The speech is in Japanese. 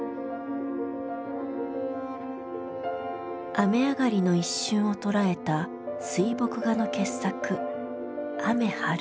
雨上がりの一瞬を捉えた水墨画の傑作「雨霽る」。